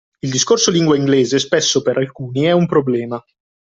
Il discorso lingua inglese spesso per alcuni è un problema